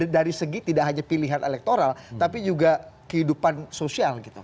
dari segi tidak hanya pilihan elektoral tapi juga kehidupan sosial gitu